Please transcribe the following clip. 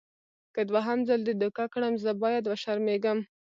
که دوهم ځل دې دوکه کړم زه باید وشرمېږم.